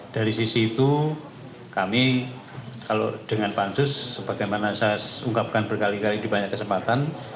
dari sisi itu kami kalau dengan pansus sebagaimana saya ungkapkan berkali kali di banyak kesempatan